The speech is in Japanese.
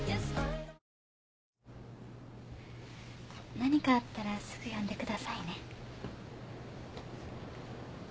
何かあったらすぐ呼んでくださいね。